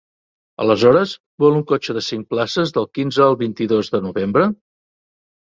Aleshores vol un cotxe de cinc places del quinze al vint-i-dos de novembre?